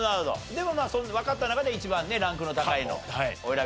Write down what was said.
でもまあわかった中では一番ねランクの高いのをお選びになったと。